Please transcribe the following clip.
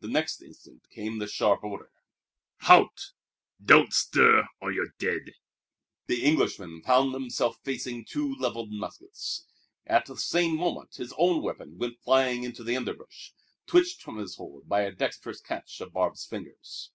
The next instant came the sharp order: "Halt! Don't stir, or you're dead!" The Englishman found himself facing two leveled muskets. At the same moment his own weapon went flying into the underbrush, twitched from his hold by a dexterous catch of Barbe's fingers.